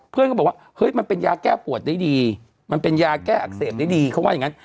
เพื่อนก็บอกว่าเฮ้ยมันเป็นยาแก้ปวดได้ดีมันเป็นยาแก้อักเสบได้ดีเขาว่าอย่างนั้น